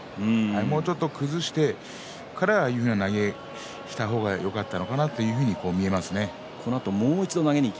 もうちょっと崩してからああいう投げをした方がよかったのではないかと見えますね。